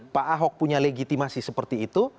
pak ahok punya legitimasi seperti itu